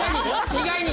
意外に！